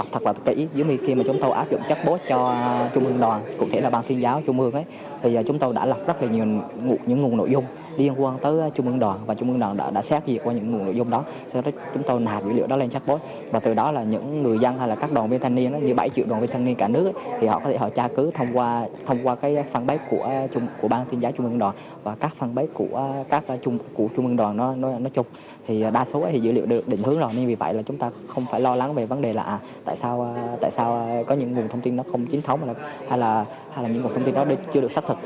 thì dữ liệu được định hướng rồi nên vì vậy là chúng ta không phải lo lắng về vấn đề là tại sao có những nguồn thông tin nó không chính thống hay là những nguồn thông tin đó chưa được xác thực